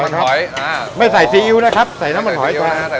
มันหอยอ่าไม่ใส่ซีอิ๊วนะครับใส่น้ำมันหอยก่อน